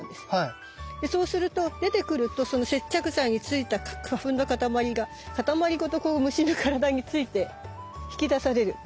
そうすると出てくるとその接着剤についた花粉のかたまりがかたまりごとこう虫の体について引き出される。